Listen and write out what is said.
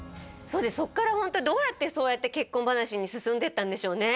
そうですそっからホントどうやってそうやって結婚話に進んでいったんでしょうね